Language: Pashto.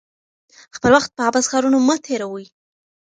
خپل وخت په عبث کارونو مه تیروئ.